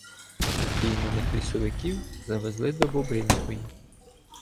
Упійманих лісовиків завезли до Бобринської.